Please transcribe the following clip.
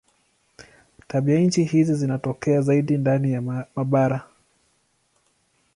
Tabianchi hizi zinatokea zaidi ndani ya mabara.